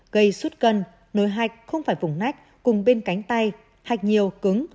gây suốt cân nối hạch không phải vùng nách cùng bên cánh tay hạch nhiều cứng